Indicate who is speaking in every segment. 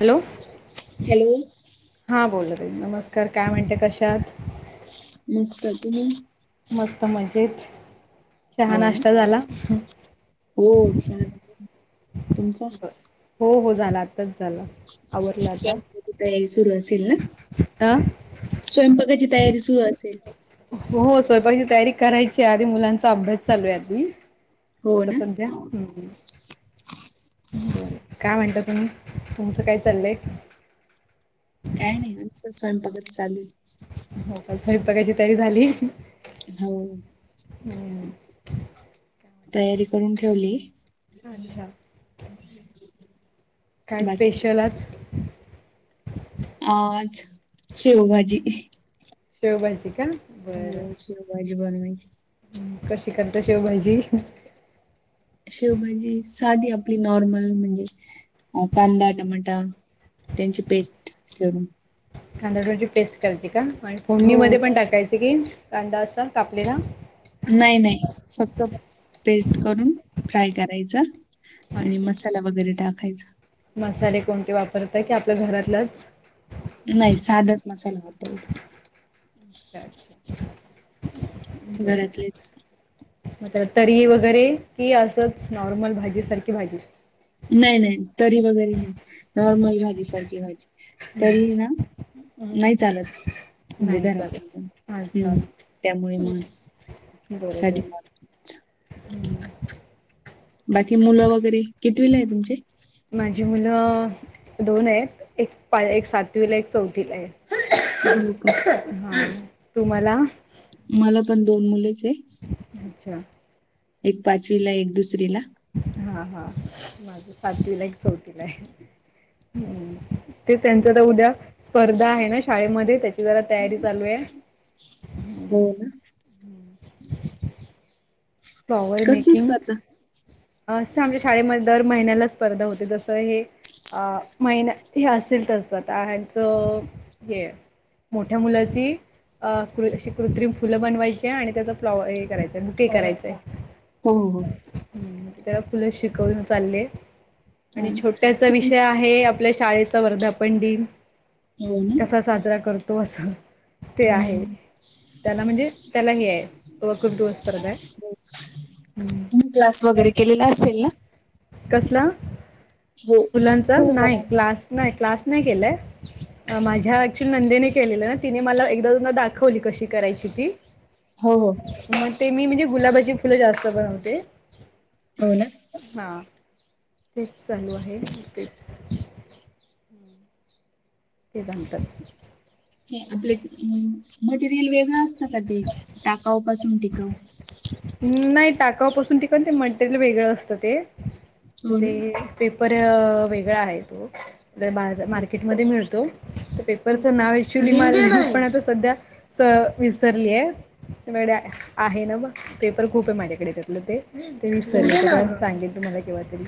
Speaker 1: Hello.
Speaker 2: Hello.
Speaker 1: हा, बोला ताई, नमस्कार काय म्हणता? कशा आहात?
Speaker 2: मस्त, तुम्ही?
Speaker 1: मस्त मजेत, चहा
Speaker 2: हो ना
Speaker 1: नाश्ता झाला?
Speaker 2: हो, छान तुमचा
Speaker 1: बर हो हो झालं आत्ताच झालं आवरलं आता.
Speaker 2: स्वयंपाकाची तयारी सुरू असेल ना
Speaker 1: अ
Speaker 2: स्वयंपाकाची तयारी सुरू असेल
Speaker 1: हो स्वयंपाची तयारी करायची आधी मुलांचा अभ्यास चालू आहे आधी
Speaker 2: हो
Speaker 1: आता
Speaker 2: ना
Speaker 1: सध्या हम्म काय म्हणता तुम्ही तुमचं काय चाललंय?
Speaker 2: काय नाही आचं स्वयंपकत चालु
Speaker 1: हो काय स्वयंपाक ची तयारी झाली.
Speaker 2: हो.
Speaker 1: हम्म.
Speaker 2: तयारी करून ठेवली.
Speaker 1: अच्छा
Speaker 2: [inaudible]
Speaker 1: काय
Speaker 2: बाकी
Speaker 1: स्पेशल आज
Speaker 2: आज, शेवभाजी
Speaker 1: शेवभाजी का? बरं
Speaker 2: हो शेवभाजी बनवायची.
Speaker 1: कशी करता शेवभाजी?
Speaker 2: शेवभाजी साधी आपली नॉर्मल म्हणजे कांदा टमाटा त्यांची पेस्ट करून.
Speaker 1: कांदा भजीची पेस्ट करायची का आणि
Speaker 2: हो
Speaker 1: फोंडणीमध्ये पण टाकायचे की कांदा असा कापलेला?
Speaker 2: नाही नाही, फक्त पेस्ट करून फ्राय करायच. आणि
Speaker 1: अच्छा
Speaker 2: मसाला वगैरे टाकायच.
Speaker 1: मसाले कोणते वापरतात की आपल्या घरातलंच?
Speaker 2: नाही साधच मसाला वापरतो.
Speaker 1: अच्छा, अच्छा
Speaker 2: घरातलीच
Speaker 1: म तरी वगैरे की असंच नॉर्मल भाजीसारखी भाजी
Speaker 2: नाही, नाही तरी वगैरे नाही नॉर्मल
Speaker 1: अच्छा
Speaker 2: भाजी सारखी भाजी तरी
Speaker 1: हम्म.
Speaker 2: ना नाही चालत म्हणजे
Speaker 1: नाही
Speaker 2: घरातलं पण,
Speaker 1: चालेल अच्छा
Speaker 2: हम्म त्यामुळे मग
Speaker 1: बरोबर
Speaker 2: साडी मॉल
Speaker 1: [inaudible]
Speaker 2: बाकी मुलं वगैरे कितवील आहे तुमचे?
Speaker 1: माझी मुलं अ, दोन आहेत एक पा एक सातवीला एक चौथीला आहे.
Speaker 2: हो का
Speaker 1: ह. तुम्हाला?
Speaker 2: मला पण दोन मुलेच आहे.
Speaker 1: अच्छा
Speaker 2: एक पाचवी ला एक दुसरी ला.
Speaker 1: हा हा माझ सातवीलाय क चौथीलाय् ते त्यांच तर उद्या स्पर्धा आहे, ना शाळेमध्ये त्याची जरा तयारी चालू आहे.
Speaker 2: हो. ना
Speaker 1: फ्लॉवर
Speaker 2: कसली
Speaker 1: मेकिंग
Speaker 2: स्पर्धा
Speaker 1: असं आमच्या शाळेमध्ये दर महिन्याला स्पर्धा होते जसं हे अ महिना हे असेल तस आता हचं हे मोठ्या मुलाची अ क अशी कृत्रिम फुलं बनवायची आणि त्याच फ्लॉवर हे करायच ते करायचंय.
Speaker 2: हो हो
Speaker 1: त्याला फुलं शिकवून चालले.
Speaker 2: हो हो
Speaker 1: आणि
Speaker 2: ना
Speaker 1: छोट्याचा
Speaker 2: तुम्ही
Speaker 1: विषय आहे. आपल्या शाळेचा वर्धापन दिन
Speaker 2: हो ना
Speaker 1: कसा साजरा करतो असं ते आहे,
Speaker 2: हम्म.
Speaker 1: त्याला म्हणजे त्याला हे आहे वकृत्व स्पर्धा
Speaker 2: तुम्ही क्लास वगैरे केलेला असेल ना
Speaker 1: कसला
Speaker 2: हो
Speaker 1: फुलांचा
Speaker 2: हो
Speaker 1: नाही
Speaker 2: बनवायचा
Speaker 1: क्लास नाही क्लास नाही केलंय माझ्या ऍक्च्युअली नंदेने केलेल्या ना तिने मला एकदा दाखवली कशी करायची ती
Speaker 2: हो हो
Speaker 1: मग ते मी म्हणजे गुलाबाची फुलं जास्त बनवते.
Speaker 2: हो ना
Speaker 1: हा तेच चालू आहे के ते सांगतात.
Speaker 2: हे आपलं मटेरियल वेगळं असतं का ते टाकाव पासून टिकाव.
Speaker 1: नाही टाकापासून ठिकण ते मटेरियल वेगळं असतं ते..
Speaker 2: हो ना
Speaker 1: ते पर वेगळा आहे तो बाजार मार्केटमध्ये मिळतो पेपरचं नाव मला आपण आता सध्या विसरलीय व आहे ना बघ पेपर खूप आहे माझ्याकडे घेतलं ते ते मी
Speaker 2: हो.
Speaker 1: सर सांगेन तुम्हाला केव्हा तरी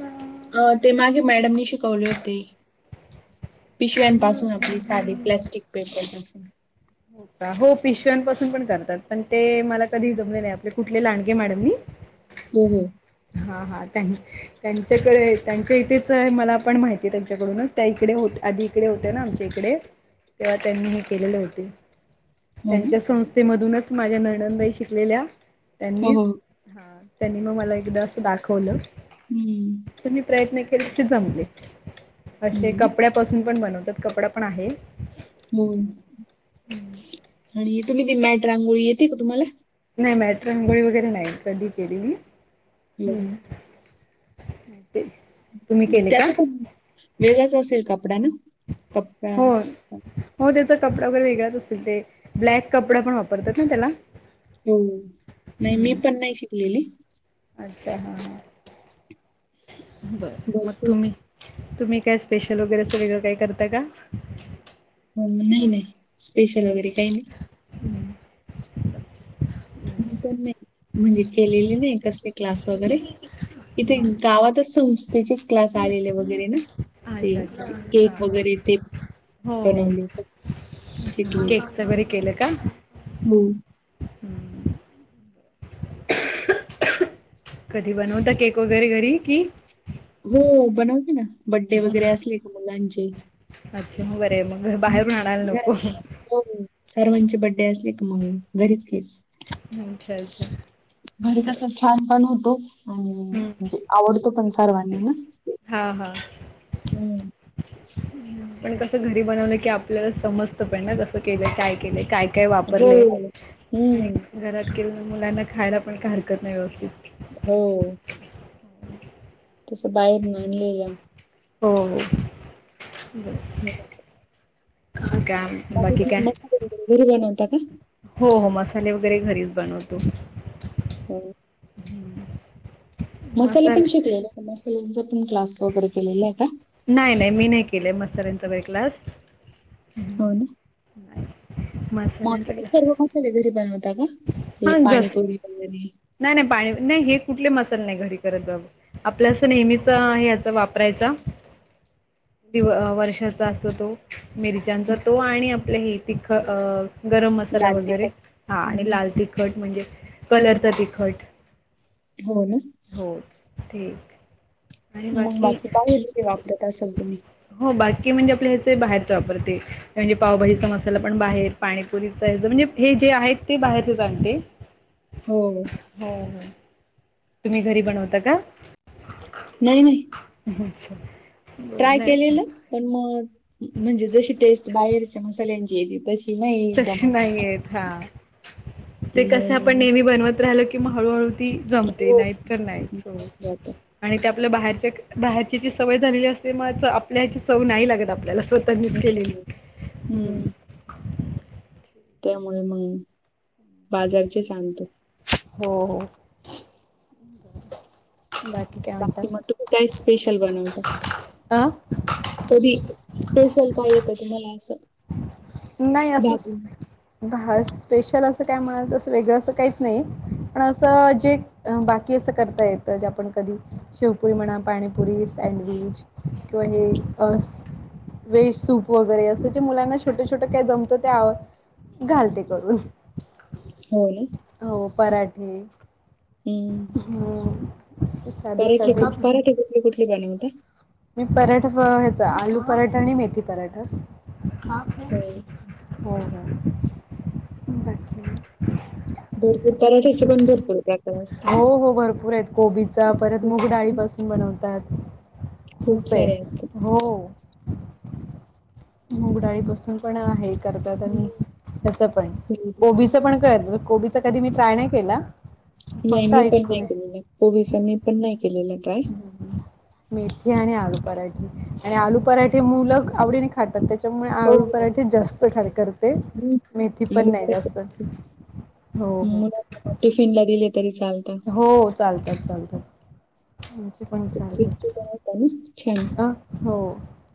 Speaker 1: ह
Speaker 2: अ ते मागे मॅडमनी शिकवले होते पिशव्यांपासून आपली साधी प्लास्टिक पेपर अस
Speaker 1: हो का हो पिशव्यांपासून पण करतात पण ते मला कधी जमले नाही आपले कुठले लांडगे मॅडमनी
Speaker 2: होम् हो
Speaker 1: हा हा त त्यांच्याकडे त्यांच्या इथेच आहे मला पण माहिती त्यांच्याकडून त्या इकडे होते आधी इकडे होते ना आमच्या इकडे तेव्हा त्यांनी हे केलेले होते
Speaker 2: हो ना
Speaker 1: त्यांच्या संस्थेमधूनच माझ्या नणदाई शिकलेल्या
Speaker 2: हो
Speaker 1: त्यांनी
Speaker 2: हो
Speaker 1: हा त्यांनी मग मला एकदा असं दाखवलं
Speaker 2: हम्म
Speaker 1: तुम म्ही प्रयत्न केलसे जमले
Speaker 2: हो
Speaker 1: असे
Speaker 2: ना
Speaker 1: कपड्यापासून पण बनवतात कपडा पण आहे
Speaker 2: हो आणि तुम्ही ती मॅट रांगोळी येते का तुम्हाला
Speaker 1: नाही मॅट्र रंगोळी वगैरे नाही कधी केलेली्
Speaker 2: हो
Speaker 1: अ ते तुम्ही केले का
Speaker 2: त्याच पण वेगळाच असेल कपडा ना कपडा
Speaker 1: होर हो त्याचा कपडा वगैरे वेगळाच असेल ते ब्लॅक कपडा पण वापरतात ना त्याला
Speaker 2: हो नाही मी
Speaker 1: हम्म
Speaker 2: पण नाही शिकलेली
Speaker 1: अच्छा हा हा बरं मग
Speaker 2: भरपूर
Speaker 1: तुम्ही तुम्ही काय स्पेशल वगैरे असं वेगळं काही करता का
Speaker 2: नाही नाही स्पेशल वगैरे काही नाही म पण नाही म्हणजे केलेले नाही कसले क्लास वगैरे इथे गावातच संस्थेचे क्लास आलेला वगैरे ना ते
Speaker 1: अच्छा अच्छा हां
Speaker 2: केक
Speaker 1: हां
Speaker 2: वगैरे ते हो
Speaker 1: ् केक्स वगैरे केलं का
Speaker 2: होम
Speaker 1: कधी बनवता केक वगैरे घरी की
Speaker 2: हो बनवते ना बड्डे वगैरे असले का मुलांचे
Speaker 1: अच्छा म बरं आहे मग बाहेरून
Speaker 2: हम्म.
Speaker 1: आणायला नको
Speaker 2: घरात हो सर्वांचे बड्डे असले की मग घरीच केस
Speaker 1: अच्छा अच्छा
Speaker 2: घरी
Speaker 1: बर
Speaker 2: कसं छान पण होतो आणि म्हणजे आवडतो पण करन ना हम्म
Speaker 1: आपण कस घरी बनवलं की आपल्याला समजत पण ना कसं केलंय काय केलंय काय काही
Speaker 2: हो
Speaker 1: वापरले आणि
Speaker 2: हम्म
Speaker 1: घरात केवळ मुलांना खायला पण काही हरकत नाही व्यवस्थित
Speaker 2: हो तस बाहेरन आणलेल्या
Speaker 1: हो बर काय
Speaker 2: बाकी
Speaker 1: काय
Speaker 2: तुम्ही मसाले वगैरे घरी बनवता का?
Speaker 1: हो हो मसाले वगैरे घरीच बनवतो
Speaker 2: हो मसाले पण शिकलेले आहेत मसाल्यांचा पण क्लास वगैरे केलेला आहे का?
Speaker 1: नाही नाही मी नाही केले मसाल्यांचा वगैरे क्लास
Speaker 2: हो ना
Speaker 1: नाही.
Speaker 2: मग
Speaker 1: मसाल्यांचा
Speaker 2: सर्व
Speaker 1: ग्लास
Speaker 2: मसाले घरी बनवता का हे
Speaker 1: हा घस
Speaker 2: पाणीपुरी वगैरे
Speaker 1: नाही नाही पाणी नाही हे कुठले मसाल नाही घरी करत ग आपल्या असं नेहमीच याचा वापरायचा दिव वर्षाचा असतो तो मिरच्यांचा
Speaker 2: हो,
Speaker 1: तो आणि आपलं हे तिख गरम मसाला
Speaker 2: लाल
Speaker 1: वगैरे
Speaker 2: तिखट.
Speaker 1: हा आणि
Speaker 2: हं.
Speaker 1: लाल तिखट म्हणजे कलरचा तिखट
Speaker 2: हो ना
Speaker 1: हो ते एक
Speaker 2: मग बाकी काय बाहेरचे वापरत असाल तुम्ही
Speaker 1: हो बाकी म्हणजे आपल्या ह्याचे बाहेरच वापरते म्हणजे पावभाजीचा मसाला पण बाहेर पाणीपुरीचा म्हणजे हे जे आहेत ते बाहेरचे च आणते
Speaker 2: हो
Speaker 1: हो हो तुम्ही घरी बनवता का?
Speaker 2: नाही नाही
Speaker 1: अच्छा बर
Speaker 2: ट्राय
Speaker 1: नाही
Speaker 2: केलेलं पण मग म्हणजे जशी टेस्ट बाहेरच्या मसाल्यांची येते तशी नाही
Speaker 1: तशी
Speaker 2: जमत
Speaker 1: नाही
Speaker 2: आता.
Speaker 1: येत हा ते
Speaker 2: त्यामुळे
Speaker 1: कस
Speaker 2: मग
Speaker 1: आपण
Speaker 2: मी
Speaker 1: नेहमी बनवत राहिलो कि मग हळूहळू ती जमते
Speaker 2: हो.
Speaker 1: नाहीत तर नाहीच हो
Speaker 2: जातं.
Speaker 1: आणि ते आपल्या बाहेरच्या एक बाहेरची जी सवय झालेली असते मग आपल्या ह्याची चव नाही लागत आपल्याला स्वतःनीच केलेली हम्म
Speaker 2: हं. त्यामुळे मग बाजारचीच आणतो
Speaker 1: हो हो बाकी काय म्हणता
Speaker 2: काही स्पेशल बनवता
Speaker 1: आं
Speaker 2: कधी स्पेशल काय येतं तुम्हाला असं
Speaker 1: नाही असं
Speaker 2: भाजी.
Speaker 1: भा स्पेशल असं काय म्हणा असं वेगळं असं काहीच नाही पण असं जे अ बाकी असं करता येत जे आपण कधी शेवपुरी म्हणा पाणीपुरी सँडविच किंवा हे अस वेज सूप वगैरे अस जे मुलांना छोटे छो छोटं काय जमत त्यावर घालते करून
Speaker 2: हो ने
Speaker 1: हो पराठे
Speaker 2: हम्
Speaker 1: हम
Speaker 2: पराठे पराठे कुठले कुठली बनवते
Speaker 1: मी पराठा ह्याचा आलू पराठा आणि मेथी पराठा
Speaker 2: हो.
Speaker 1: हो हो बाकी.
Speaker 2: भरपूर पराठ्याचे पण भरपूर व्याकरण असत ना?
Speaker 1: हो हो हो भरपूर आहेत कोबीचा परत
Speaker 2: खूप
Speaker 1: मग डाळीपसून बनवतात. खूप
Speaker 2: सारे
Speaker 1: आहेत
Speaker 2: असतात.
Speaker 1: हो मुगडाळी पासुन पण हे करतात आणि
Speaker 2: हं.
Speaker 1: ह्याच पण कोबीच करत कोबी. च कधी मी ट्राय नाही केला.
Speaker 2: नाही
Speaker 1: फक्त
Speaker 2: मी पण नाही
Speaker 1: ऐकून
Speaker 2: केलेलं कोबीच मी पण नाही केलेला ट्राय
Speaker 1: मेथी आणि आलू पराठे आणि आलू पराठे मुलं आवडीने खातात त्याच्यामुळे
Speaker 2: हो,
Speaker 1: आलू
Speaker 2: हो.
Speaker 1: पराठे जास्त खारे करते.
Speaker 2: हं.
Speaker 1: ते मेथी
Speaker 2: आलू
Speaker 1: पण नाही
Speaker 2: पराठे
Speaker 1: जास्त हो हो.
Speaker 2: टिफिन ला दिले तरी चालतात.
Speaker 1: हो चालतात चालतात आमचे पण
Speaker 2: ते क्रिस्पी पण होता ना छान.
Speaker 1: चालतात अ हो!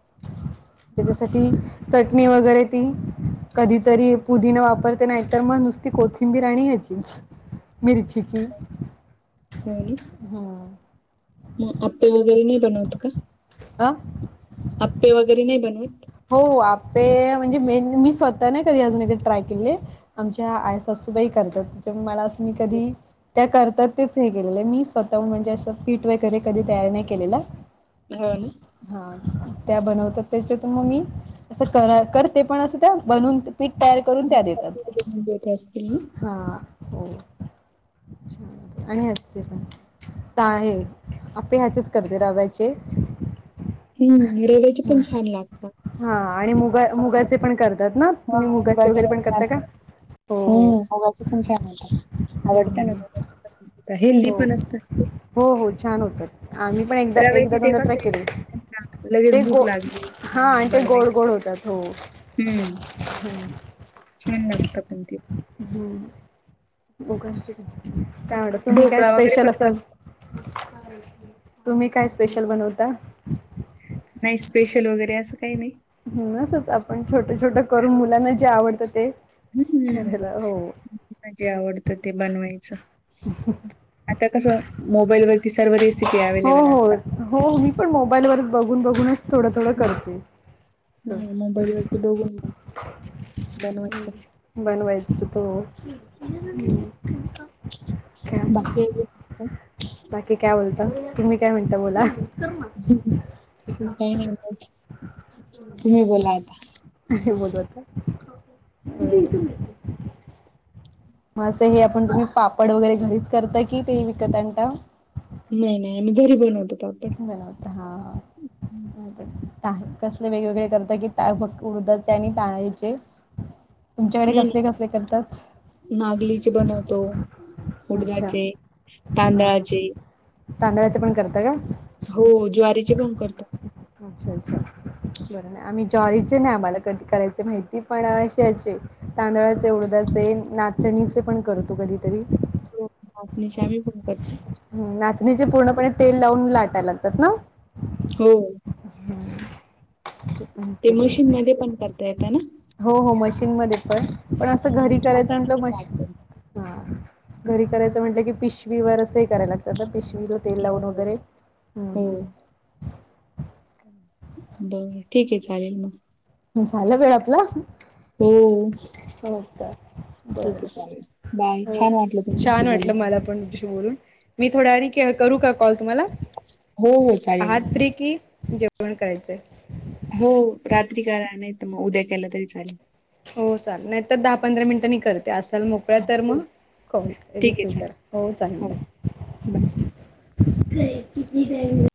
Speaker 2: [inaudible]
Speaker 1: त्याच्यासाठी चटणी वगैरे तीन कधीतरी पुदिना वापरते नाहीतर मग नुसती कोथिंबीर आणि ह्याचीच. मिरचीची.
Speaker 2: [unintelligible]
Speaker 1: हम्म!
Speaker 2: म आप्पे वगैरे नाही बनवत का?
Speaker 1: आ!
Speaker 2: आप्पे वगैरे नाही बनवत?
Speaker 1: हो आप्पे म्हणजे मे मी स्वतः नाही कधी अजून एक ट्राय केलेले आमच्या आई सासूबाई करतात त्यामुळं मला असं मी कधी त्या करतात तेच हे केलेले मी स्वतःहून म्हणजे असे पीठ वगैरे कधी तयार नाही केल्याल.
Speaker 2: न्हाय कळालं
Speaker 1: हां त्या बनवतात त्याच्यात मग मी असं कर करते पण असं त्या बनवून पीठ तयार करून त्या देतात,
Speaker 2: देत असतील ना
Speaker 1: हा हो. छान होतात आणि ह्याचे पण. [unintelligible] आप्पे ह्याचेच करते रव्याचे.
Speaker 2: हम्म रव्याचे पण छान लागतात.
Speaker 1: हा आणि मुगा मुगाचे पण करतात ना
Speaker 2: हा
Speaker 1: तुम्ही मुगाचे वगैरे पण करता का?
Speaker 2: हो आवाचे पण छान होतात
Speaker 1: हम्म
Speaker 2: आवडते ना
Speaker 1: हम्म.
Speaker 2: मुगाचे पण हेल्दी
Speaker 1: हो
Speaker 2: पण असतात ते.
Speaker 1: हो हो छान होतात आम्ही पण एकदा एकदा
Speaker 2: रव्याचे ते
Speaker 1: दोनदा ट्राय
Speaker 2: कसे
Speaker 1: केले
Speaker 2: आपल्याला लगेच
Speaker 1: ते
Speaker 2: भूक
Speaker 1: गो
Speaker 2: लागली
Speaker 1: हां आणि ते गोड
Speaker 2: बनवायची
Speaker 1: गोड होतात हो
Speaker 2: हम्म
Speaker 1: हम्म.
Speaker 2: छान लागतात पण ते.
Speaker 1: हम्म [unintelligible] तुम्ही काय
Speaker 2: ढोकळा वगैरे पण
Speaker 1: स्पेशल असं
Speaker 2: बनवतात
Speaker 1: तुम्ही काय स्पेशल बनवता?
Speaker 2: नाही स्पेशल वगैरे असं काही नाही.
Speaker 1: हम्म असच आपण छोटं छोटं करून मुलांना जे आवडतं ते
Speaker 2: हम्म
Speaker 1: करायला हो
Speaker 2: हम्म जे आवडतं ते बनवायचं.
Speaker 1: [unintelligible]
Speaker 2: आता कसं मोबाईलवरती सर्व रेसि
Speaker 1: हो हो हो मी पण मोबाईलवरच बघून बघूनच थोडं थोडं करते.
Speaker 2: ह बनवत जा.
Speaker 1: बनवायचं तो [unintelligible] काय
Speaker 2: बाकी आणि.
Speaker 1: बाकी काय बोलता? तुम्ही काय म्हणता बोला?
Speaker 2: काही नाही तुम्ही बोला आता?
Speaker 1: काय बोलू आता? [unintelligible] मग असं हे आपण तुम्ही पापड वगैरे घरीच करता की ते विकत आणता?
Speaker 2: नाही नाही आम्ही घरी बनवतो पापड
Speaker 1: बनवता हां हां. आम्हीपण [unintelligible] कसले वेगवेगळे करत की ता फक्त उडदाचे आणि तांदळीचे?
Speaker 2: नाही नाही मागलीचे बनवतो.
Speaker 1: अच्छा
Speaker 2: उडदाचे, तांदळाचे.
Speaker 1: तांदळाच पण करता का?
Speaker 2: हो ज्वारीचे पण करतो आम्ही.
Speaker 1: अच्छा अच्छा बरं आहे आम्ही ज्वारीचे नाही आम्हाला कधी करायच माहिती पण अ अशी याची तांदळाचे उडदचे नाचणीचे पण करतो कधी तरी
Speaker 2: हो नाचणीचे आम्ही पन करतो.
Speaker 1: ह नाचणीचे पूर्णपणे तेल लावून लाटायला लागतात ना?
Speaker 2: हो.
Speaker 1: [unintelligible] पण
Speaker 2: ते मशीन
Speaker 1: केलेले.
Speaker 2: मध्ये पण करता येत ना?
Speaker 1: हो हो मशीनमध्ये पण पण असं
Speaker 2: हम्म,
Speaker 1: घरी करायचं
Speaker 2: हाताने
Speaker 1: म्हटलं
Speaker 2: नाही
Speaker 1: मशी
Speaker 2: काढता
Speaker 1: हा घरी करायचं म्हटलं की पिशवीवर असं हे करायला लागतं ना पिशवीला तेल
Speaker 2: येत
Speaker 1: लावून
Speaker 2: हो
Speaker 1: वगैरे हम्म
Speaker 2: हो
Speaker 1: हम्म.
Speaker 2: बर ठीक आहे चालेल मग.
Speaker 1: झालं वेळ आपली?
Speaker 2: हो स
Speaker 1: हो का बर
Speaker 2: बाय
Speaker 1: हो
Speaker 2: छान वाटलं तुमच्याशी
Speaker 1: छान वाटलं
Speaker 2: बोलून
Speaker 1: मला पण बोलून मी थोड्या वेळाने करू का कॉल तुम्हाला?
Speaker 2: हो हो चालेल
Speaker 1: आट त्रीेकी जेवण करायचंय
Speaker 2: हो रात्री करा नाहीतर मग उद्या केला तरी चालेल.
Speaker 1: हो चाल नाही तर दहा पंधरा मिनिटंनी करते असाल मोकळ्या तर मग
Speaker 2: हो
Speaker 1: करून
Speaker 2: ठीक आहे
Speaker 1: रिसीव
Speaker 2: चालेल
Speaker 1: करा. हो चालेल
Speaker 2: बाय
Speaker 1: करा